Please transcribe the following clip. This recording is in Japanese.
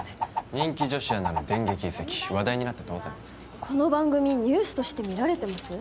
人気女子アナの電撃移籍話題になって当然この番組ニュースとして見られてます？